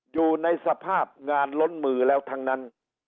อยู่ในสภาพงานล้นมือแล้วทั้งนั้น